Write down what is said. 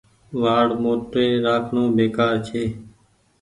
وآڙ موٽي رآکڻو بيڪآر ڇي ۔